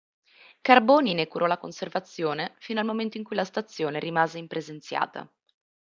Carboni ne curò la conservazione fino al momento in cui la stazione rimase impresenziata.